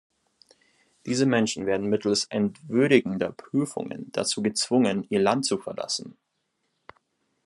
Diese Menschen werden mittels entwürdigender Prüfungen dazu gezwungen, ihr Land zu verlassen.